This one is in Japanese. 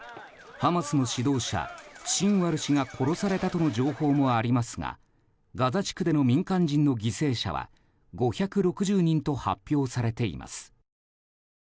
ハマスの指導者シンワル氏が殺されたとの情報もありますがガザ地区での民間人の犠牲者は５６０人と発表されています。